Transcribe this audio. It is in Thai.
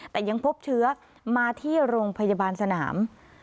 แต่ยังพบเชื้อมาที่โรงพยาบาลสนาม